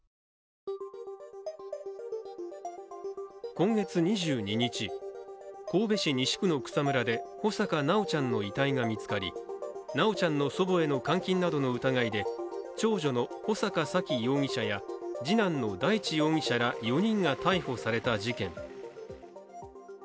今月２２日、神戸市西区の草むらで穂坂修ちゃんの遺体が見つかり修ちゃんの祖母への監禁などの疑いで長女の穂坂沙喜容疑者や次男の大地容疑者ら４人が逮捕された事件。